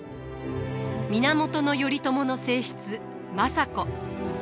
源頼朝の正室政子。